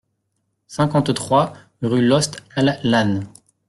cinquante-trois rue Lost al Lann